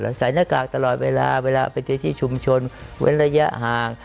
ใส่หน้ากากตลอดเวลาเวลาไปในที่ชุมชนเว้นระยะห่าง